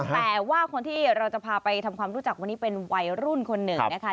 แต่ว่าคนที่เราจะพาไปทำความรู้จักวันนี้เป็นวัยรุ่นคนหนึ่งนะคะ